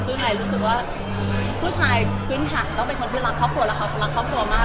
ซึ่งไอรู้สึกว่าผู้ชายพื้นฐานต้องเป็นคนที่รักครอบครัวและเขารักครอบครัวมาก